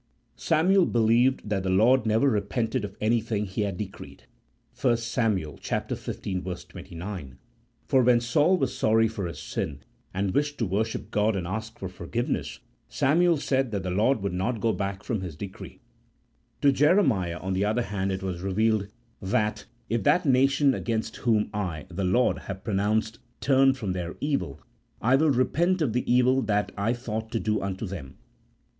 Samuel believed that the Lord never repented of any thing He had decreed (1 Sam. xv. 29), for when Saul was sorry for his sin, and wished to worship God and ask for forgiveness, Samuel said that the Lord would not go back from his decree. To Jeremiah, on the other hand, it was revealed that, "If that nation against whom I (the Lord) have pro nounced, turn from their evil, I will repent of the evil that I thought to do unto them.